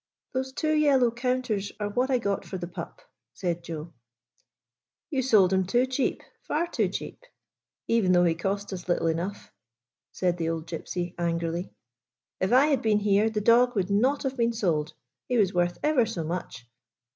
"Those two yellow counters are what I got for the pup," said Joe. 88 IN THE GYPSY CAMP " You sold him too cheap — far too cheap — even though he cost us little enough/' said the old Gypsy, angrily. " If I had been here, the dog would not have been sold. He was worth ever so much."